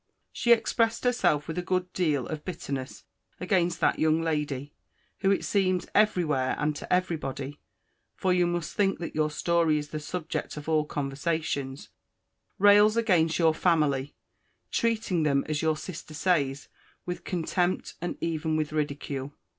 She expressed herself with a good deal of bitterness against that young lady: who, it seems, every where, and to every body, (for you must think that your story is the subject of all conversations,) rails against your family; treating them, as your sister says, with contempt, and even with ridicule.